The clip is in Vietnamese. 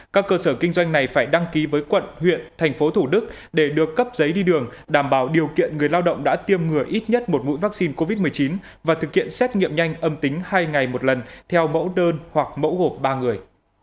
các cơ sở kinh doanh này phải đăng ký với quận huyện thành phố thủ đức để được cấp giấy đi đường đảm bảo điều kiện người lao động đã tiêm ngừa ít nhất một mũi vaccine covid một mươi chín và thực hiện xét nghiệm nhanh âm tính hai ngày một lần theo mẫu đơn hoặc mẫu gộp ba người